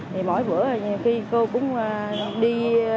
thì mỗi bữa nhiều khi cô cũng đi